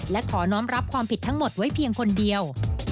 และขอน้องรับความผิดทั้งหมดไว้เพียงคนเดียว